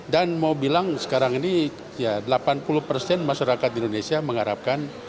dan mau bilang sekarang ini delapan puluh persen masyarakat indonesia mengharapkan